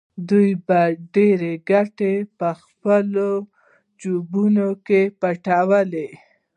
دوی به ډېرې ګټې په خپلو جېبونو کې پټولې